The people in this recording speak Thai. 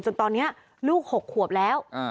จนตอนนี้ลูก๖ขวบแล้ว